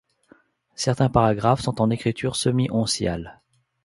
Certains paragraphes sont en écriture semi-onciale.